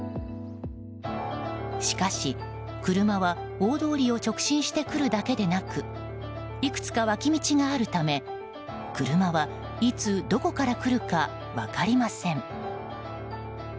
しかし、車は大通りを直進してくるだけでなくいくつか脇道があるため車は、いつどこから来るか分かりません。